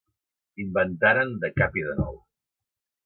Inventaren de cap i de nou.